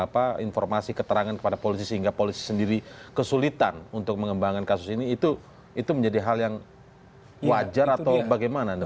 apa informasi keterangan kepada polisi sehingga polisi sendiri kesulitan untuk mengembangkan kasus ini itu menjadi hal yang wajar atau bagaimana